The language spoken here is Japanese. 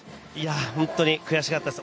本当に悔しかったです。